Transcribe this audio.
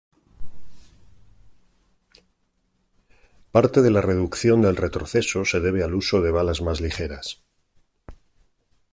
Parte de la reducción del retroceso se debe al uso de balas más ligeras.